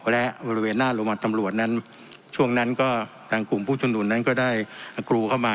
และบริเวณหน้าหลวงหมอตำรวจนั้นช่วงนั้นกลุ่มผู้ชุมดุมก็ได้กรูเข้ามา